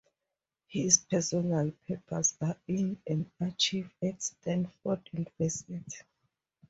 His personal papers are in an archive at Stanford University.